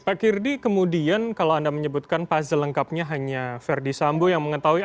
pak kirdi kemudian kalau anda menyebutkan puzzle lengkapnya hanya verdi sambo yang mengetahui